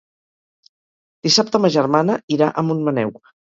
Dissabte ma germana irà a Montmaneu.